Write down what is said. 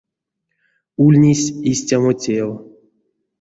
Ульнесь истямо тев.